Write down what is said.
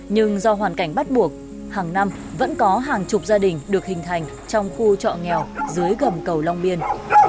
nhưng do hoàn cảnh bắt buộc hàng năm vẫn có hàng chục gia đình được hình thành trong khu trọ nghèo dưới gầm cầu long biên